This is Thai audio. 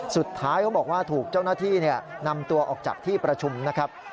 เขาบอกว่าถูกเจ้าหน้าที่นำตัวออกจากที่ประชุมนะครับ